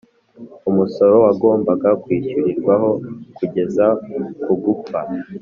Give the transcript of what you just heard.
umusoro wagombaga kwishyurirwaho kugeza ku gupfa